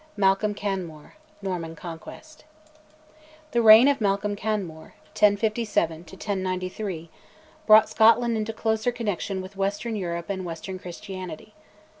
MALCOLM CANMORE NORMAN CONQUEST. The reign of Malcolm Canmore (1057 1093) brought Scotland into closer connection with western Europe and western Christianity.